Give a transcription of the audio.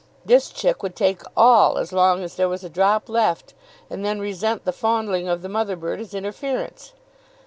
This chick would take all as long as there was a drop left, and then resent the fondling of the mother bird as interference.